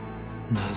なぜ？